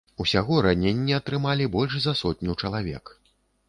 Усяго раненні атрымалі больш за сотню чалавек.